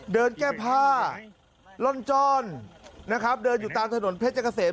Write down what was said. เดินแก้ผ้าล่อนจ้อนนะครับเดินอยู่ตามถนนเพชรเกษม